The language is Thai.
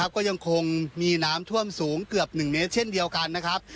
ก็ยังคงมีน้ำท่วมสูงเกือบ๑เมตรเช่นเดียวกันนะครับ